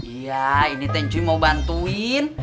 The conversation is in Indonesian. iya ini nenek cuy mau bantuin